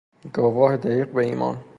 گواه دقیق به ایمان